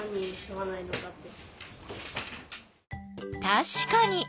たしかに！